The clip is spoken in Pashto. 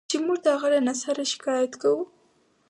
چې موږ د هغه له نثره شکایت کوو.